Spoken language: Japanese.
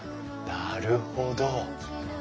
なるほど。